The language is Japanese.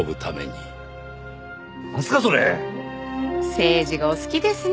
政治がお好きですね